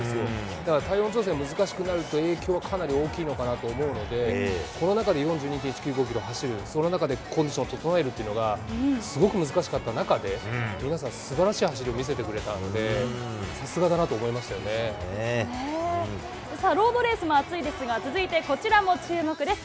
だから体温調整難しくなると影響はかなり大きいのかなと思うので、この中で４２．１９５キロ走る、その中でコンディションを整えるっていうのがすごく難しかった中で、皆さんすばらしい走りを見せてくれたので、さすがだなと思いさあ、ロードレースも熱いですが、続いてこちらも注目です。